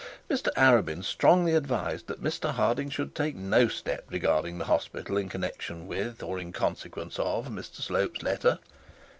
Mr Arabin strongly advised that Mr Harding should take no step regarding the hospital in connexion with, or in consequence of, Mr Slope's letter.